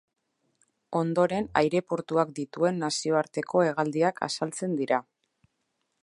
Ondoren aireportuak dituen nazioarteko hegaldiak azaltzen dira.